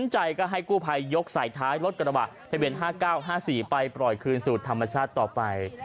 ใจก็ให้กู้ภัยยกใส่ท้ายรถกระบะทะเบียน๕๙๕๔ไปปล่อยคืนสู่ธรรมชาติต่อไป